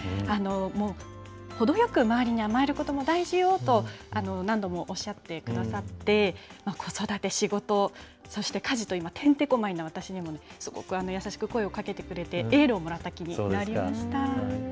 程よく周りに甘えることも大事よと、何度もおっしゃってくださって、子育て、仕事、そして家事と今、てんてこまいな私にもすごく優しく声をかけてくれて、エールをもらった気になりました。